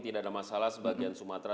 tidak ada masalah sebagian sumatera